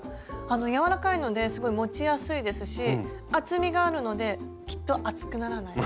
あの柔らかいのですごい持ちやすいですし厚みがあるのできっと熱くならない。